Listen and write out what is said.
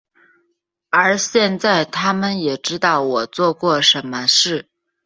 而现在他们也知道我做过什么事。